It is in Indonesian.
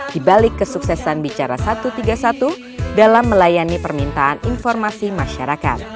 di balik kesuksesan bicara satu ratus tiga puluh satu dalam melayani permintaan informasi masyarakat